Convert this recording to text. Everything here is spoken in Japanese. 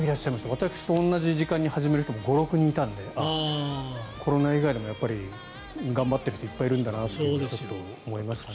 私と同じ時間に始める人も５６人いたのでコロナ以外でも頑張っている人いっぱいいるんだなということを思いましたね。